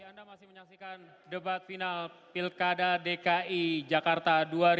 anda masih menyaksikan debat final pilkada dki jakarta dua ribu tujuh belas